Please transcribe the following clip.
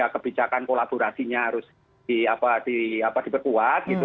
kebijakan kolaborasinya harus diperkuat